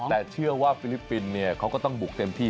แต่เชื่อว่าฟิลิปปินส์เขาก็ต้องบุกเต็มที่